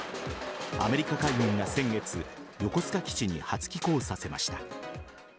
アメリカ海軍が先月横須賀基地に初寄港させました。